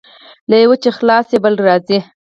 له یوه چې خلاص شې، بل راځي.